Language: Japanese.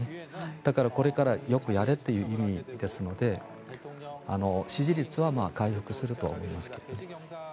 だから、これからよくやれっていう意味ですので支持率は回復すると思いますけどね。